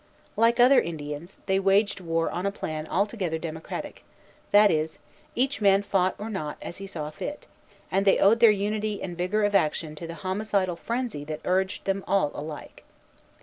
Like other Indians, they waged war on a plan altogether democratic, that is, each man fought or not, as he saw fit; and they owed their unity and vigor of action to the homicidal frenzy that urged them all alike.